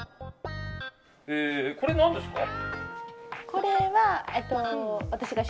これ、何ですか？